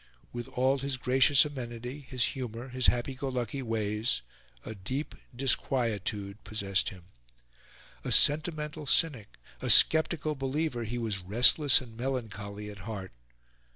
With all his gracious amenity, his humour, his happy go lucky ways, a deep disquietude possessed him. A sentimental cynic, a sceptical believer, he was restless and melancholy at heart.